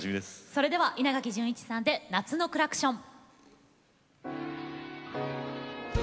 それでは稲垣潤一さんで「夏のクラクション」。